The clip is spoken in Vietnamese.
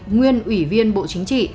nguyên ủy viên bộ chính trị